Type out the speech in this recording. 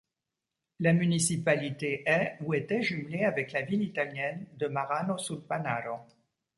La municipalité est ou était jumelée avec la ville italienne de Marano sul Panaro.